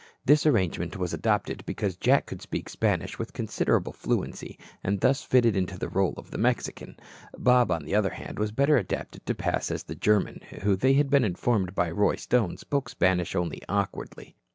This arrangement was adopted because Jack could speak Spanish with considerable fluency and thus fitted into the role of the Mexican. Bob, on the other hand, was better adapted to pass as the German who, they had been informed by Roy Stone, spoke Spanish only awkwardly.